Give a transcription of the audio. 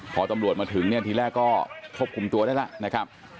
พอตำรวจมาถึงเนี่ยทีแรกก็ควบคุมตัวได้แล้วนะครับ